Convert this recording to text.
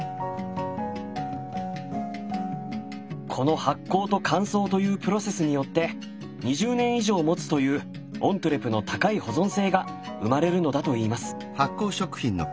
この発酵と乾燥というプロセスによって２０年以上もつというオントゥレの高い保存性が生まれるのだといいます。